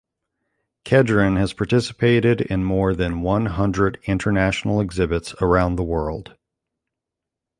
Kedrin has participated in more than one hundred international exhibits around the world.